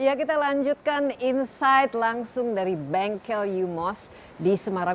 ya kita lanjutkan insight langsung dari bengkel umos di semarang